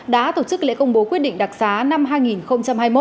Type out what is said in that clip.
đã tổ chức lễ công bố quyết định đặc xá năm hai nghìn hai mươi một